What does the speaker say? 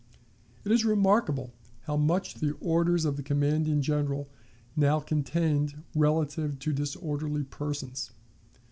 It is remarkable how much the orders of the commanding General now contained relative to disorderly persons.